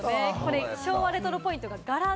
昭和レトロポイントが柄。